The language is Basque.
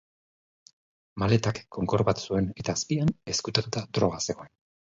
Maletak konkor bat zuen, eta azpian, ezkutatuta droga zegoen.